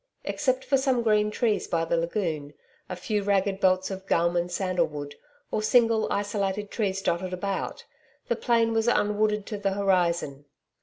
Except for some green trees by the lagoon, a few ragged belts of gum and sandal wood or single isolated trees dotted about, the plain was unwooded to the horizon.